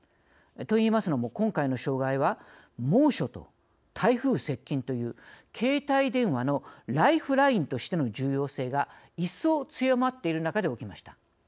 といいますのも、今回の障害は猛暑と台風接近という携帯電話のライフラインとしての重要性が一層、強まっている中で起きました。